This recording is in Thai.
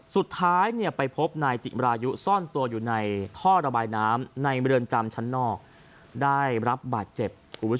สุดท้ายไปพบนายจิมรายุซ่อนตัวอยู่ในท่อระบายน้ำในเรือนจำชั้นนอกได้รับบาดเจ็บ